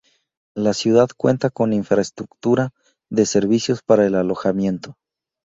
La ciudad cuenta con infraestructura de servicios para el alojamiento.